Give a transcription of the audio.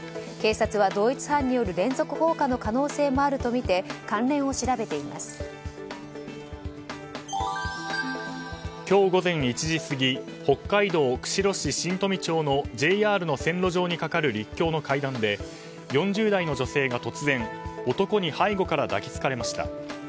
警察は同一犯による連続放火の可能性もあるとみて今日午前１時過ぎ北海道釧路市新富町のＪＲの線路上に架かる陸橋の階段で４０代の女性が突然男に背後から抱き着かれました。